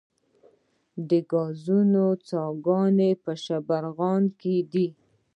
د ګازو څاګانې په شبرغان کې دي